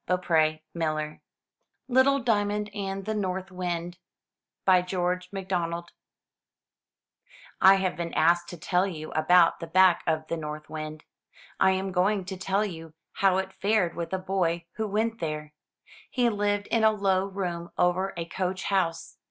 421 MY BOOK HOUSE LITTLE DIAMOND AND THE NORTH WIND* George MacDonald HAVE been asked to tell you about the back of the North Wind. I am going to tell you how it fared with a boy who went there. He Uved in a low room over a coach house.